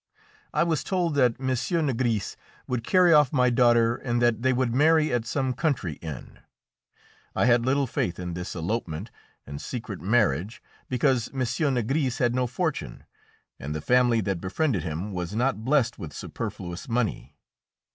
I was told that M. Nigris would carry off my daughter and that they would marry at some country inn. I had little faith in this elopement and secret marriage, because M. Nigris had no fortune, and the family that befriended him was not blessed with superfluous money.